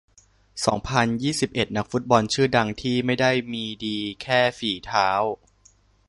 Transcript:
สองพันยี่สิบเอ็ด นักฟุตบอลชื่อดังที่ไม่ได้มีดีแค่ฝีเท้า